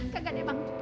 kagak deh bang